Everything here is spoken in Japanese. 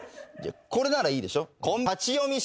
これならいいでしょ？